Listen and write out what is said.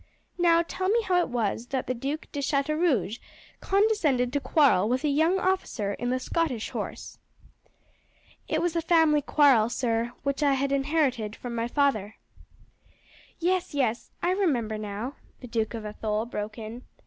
Now tell me how it was that the Duc de Chateaurouge condescended to quarrel with a young officer in the Scottish Horse." "It was a family quarrel, sir, which I had inherited from my father." "Yes, yes, I remember now," the Duke of Athole broke in.